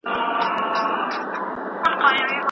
جوړښت د مطالعې د فرهنګ زیاتوي.